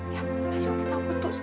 yuk ayo kita butuh sekarang